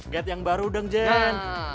get yang baru dong jen